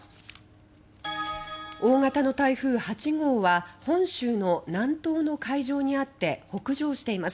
大型の台風８号は本州の南東の海上にあって北上しています。